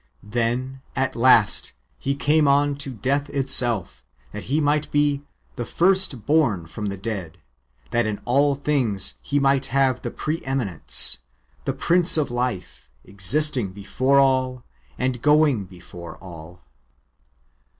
Then, at last. He came on to death itself, that He might be " the first born from the dead, that in all things He might have the pre eminence," ^ the Prince of life,^ existing before all, and going before all.